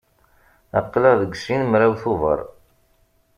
Aql-aɣ deg sin mraw Tubeṛ.